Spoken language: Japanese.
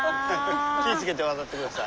気ぃ付けて渡って下さい。